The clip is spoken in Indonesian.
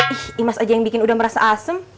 ih imas aja yang bikin udah merasa asem